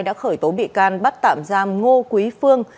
đã khởi tố bị can bắt tạm giam ngô quý phương